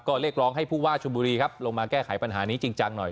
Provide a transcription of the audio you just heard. ก็เรียกร้องให้ผู้ว่าชุมบุรีครับลงมาแก้ไขปัญหานี้จริงจังหน่อย